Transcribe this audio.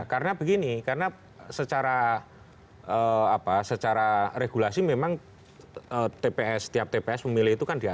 karena begini karena secara regulasi memang tps setiap tps memilih itu kan ada